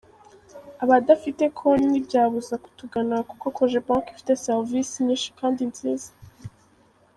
Abadafite konti ntibyabuza kutugana kuko Cogebanque ifite Serivisi nyinshi kandi nziza”.